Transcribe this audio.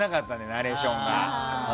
ナレーションが。